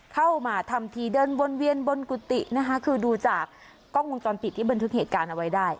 เข้ามาทำทีเดินวนเวียนบนกุฏินะคะคือดูจากกล้องวงจรปิดที่บันทึกเหตุการณ์เอาไว้ได้